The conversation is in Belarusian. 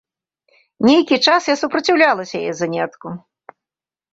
Нейкі час я супраціўлялася яе занятку.